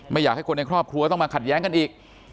อยากให้คนในครอบครัวต้องมาขัดแย้งกันอีก